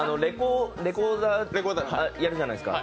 レコーダーやるじゃないですか。